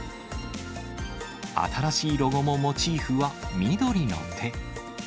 新しいロゴのモチーフは、緑の手。